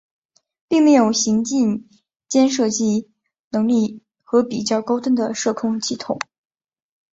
并没有行进间射击能力和较高端的射控系统。